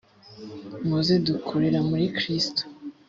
muze dukurira muri kristo.